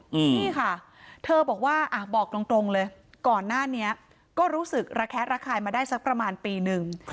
นี่ค่ะเธอบอกว่าอ่ะบอกตรงตรงเลยก่อนหน้านี้ก็รู้สึกระแคะระคายมาได้สักประมาณปีนึง